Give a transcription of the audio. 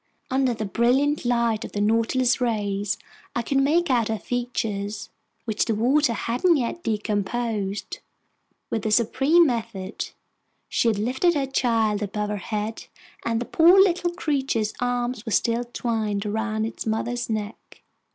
Under the brilliant lighting of the Nautilus's rays, I could make out her features, which the water hadn't yet decomposed. With a supreme effort, she had lifted her child above her head, and the poor little creature's arms were still twined around its mother's neck!